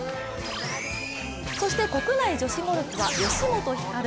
そして国内女子ゴルフは吉本ひかる。